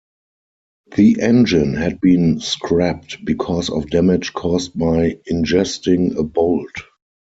The engine had been scrapped because of damage caused by ingesting a bolt.